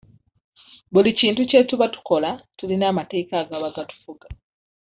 Buli kintu kye tuba tukola tulina amateeka agaba gatufuga.